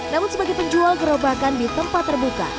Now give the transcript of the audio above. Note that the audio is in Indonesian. namun sebagai penjual gerobakan di tempat terbuka